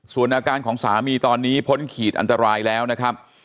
ส่วนอาการของสามีตอนนี้พ้นขีดอันตรายแล้วนะครับ